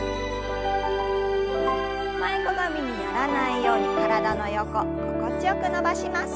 前かがみにならないように体の横心地よく伸ばします。